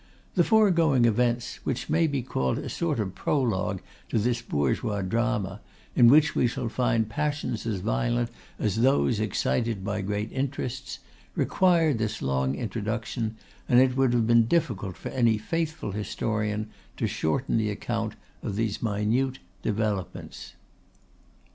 The foregoing events, which may be called a sort of prologue to this bourgeois drama, in which we shall find passions as violent as those excited by great interests, required this long introduction; and it would have been difficult for any faithful historian to shorten the account of these minute developments.